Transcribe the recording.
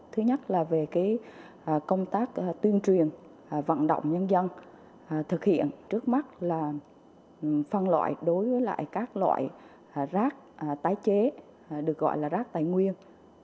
thứ nhất là về công tác tuyên truyền vận động nhân dân thực hiện trước mắt là phân loại đối với các loại rác tái chế được gọi là rác tài nguyên